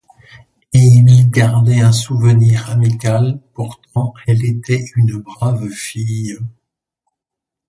Et il lui gardait un souvenir amical pourtant, elle était une brave fille.